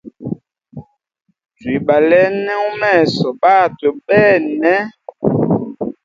Twibalene umeso batwe bene.